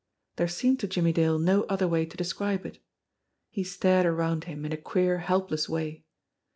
There seemed to Jimmie Dale no other way to describe it. He stared around him in a queer, helpless way.